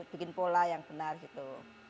bikin pola yang benar gitu